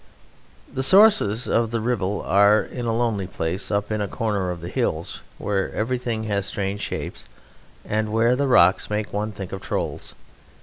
The sources of the Ribble are in a lonely place up in a corner of the hills where everything has strange shapes and where the rocks make one think of trolls.